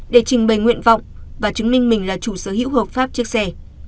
để trình bày nguyện vọng và chứng minh mình là chủ sở hữu hợp pháp chiếc xe